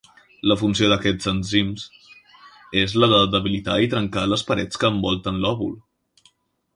La funció d'aquests enzims és la de debilitar i trencar les parets que envolten l'òvul.